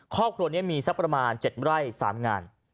ครอบครัวนี้มีสักประมาณ๗ไร่๓งาน